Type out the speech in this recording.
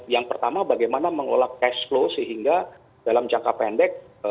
yang pertama bagaimana mengelola cash flow sehingga dalam jangka pendek